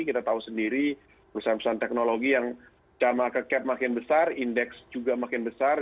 kita tahu sendiri perusahaan perusahaan teknologi yang sama ke cap makin besar indeks juga makin besar